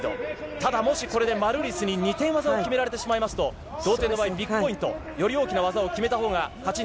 ただ、もしこれでマルーリスに２点技を決められてしまいますと、同点の場合、ビッグポイント。より大きな技を決めたほうが勝ち